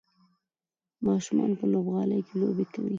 ماشومان په لوبغالي کې لوبې کوي.